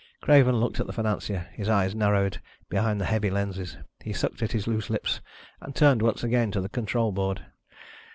Craven looked at the financier, his eyes narrowed behind the heavy lenses. He sucked in his loose lips and turned once again to the control board.